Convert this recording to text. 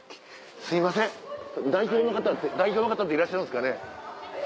すいません代表の方っていらっしゃるんですかね？